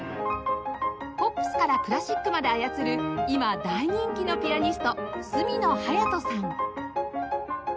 ポップスからクラシックまで操る今大人気のピアニスト角野隼斗さん